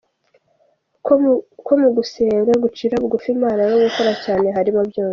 com ko mu gusenga, gucira bugufi Imana no gukora cyane harimo byose.